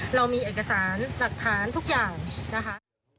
เรามีเอกสารหลักฐานทุกอย่างนะคะ